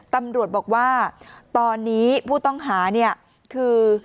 ตำรวจบอกว่าตอนนี้ผู้ต้องหาเนี่ยคือ